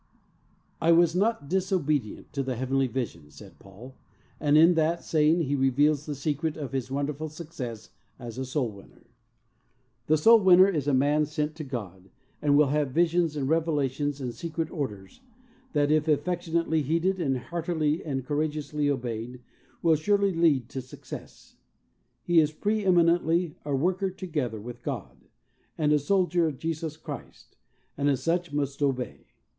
"I WAS not disobedient to the heavenly vision," said Paul, and in that saying he reveals the secret of his wonderful success as a soul winner. The soul winner is a man sent to God, and will have visions and reve lations and secret orders that, if affection ately heeded and heartily and courageously obeyed, will surely lead to success. He is pre eminently "a worker together with God," and a soldier of Jesus Christ, and as such must obey.